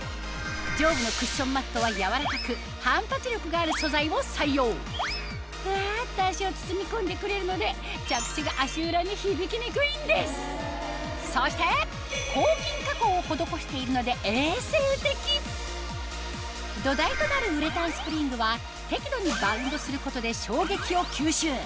上部のクッションマットは柔らかく反発力がある素材を採用ふわっと足を包み込んでくれるのでそして抗菌加工を施しているので衛生的土台となるウレタンスプリングは適度にバウンドすることで衝撃を吸収